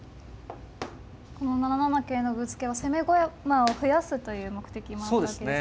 この７七桂のぶつけは攻め駒を増やすという目的もあったわけですね。